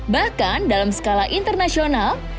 bahkan dalam skala internasional